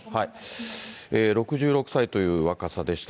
６６歳という若さでした。